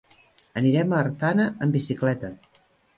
Anirem a Artana amb bicicleta.